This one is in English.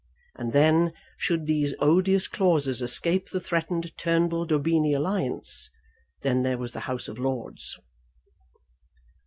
And then, should these odious clauses escape the threatened Turnbull Daubeny alliance, then there was the House of Lords!